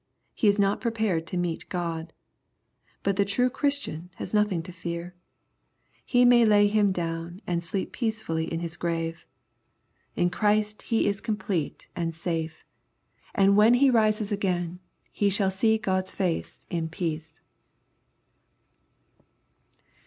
fle is not prepared to meet God. But the true Christian has nothing to fear. He may lay him down and sleep peacefully in his giave. In Christ He is complete and 212 EXPOSITORY THOUGHTS. safe^ and when he rises again he. shall see God's face in peace.